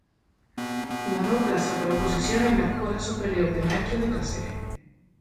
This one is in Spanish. Ganó plaza por oposición en la Escuela Superior de Maestros de Cáceres.